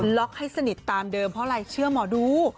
ล็อกให้สนิทตามเดิมเพราะอะไรเชื่อหมอดู